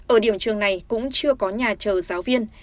ở điểm trường này cũng chưa có nhà chờ giáo viên